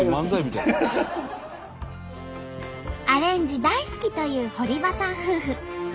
アレンジ大好きという堀場さん夫婦。